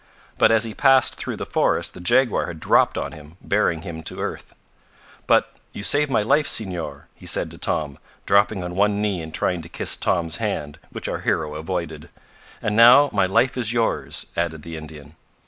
But as he passed through the forest the jaguar had dropped on him, bearing him to earth. "But you saved my life, Senor," he said to Tom, dropping on one knee and trying to kiss Tom's hand, which our hero avoided. "And now my life is yours," added the Indian.